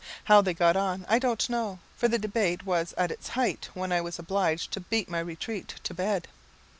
How they got on I don't know, for the debate was at its height when I was obliged to beat my retreat to bed.